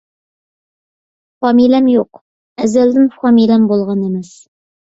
فامىلەم يوق، ئەزەلدىن فامىلەم بولغان ئەمەس.